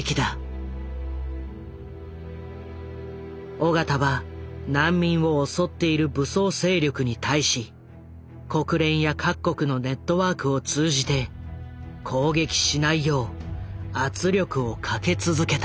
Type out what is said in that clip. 緒方は難民を襲っている武装勢力に対し国連や各国のネットワークを通じて攻撃しないよう圧力をかけ続けた。